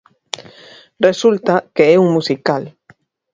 Resulta que é un musical.